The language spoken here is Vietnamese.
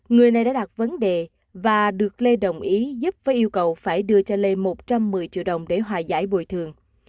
người này đã đặt vấn đề và được lê đồng ý giúp với yêu cầu phải đưa cho lê một trăm một mươi triệu đồng để hòa giải bồi thường